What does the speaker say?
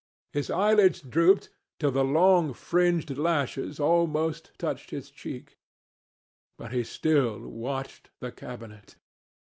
His eyelids drooped till the long fringed lashes almost touched his cheek. But he still watched the cabinet.